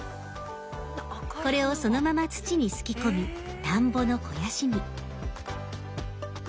これをそのまま土にすき込み田んぼの肥やしに。